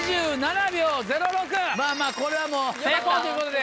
まぁまぁこれはもう成功ということで。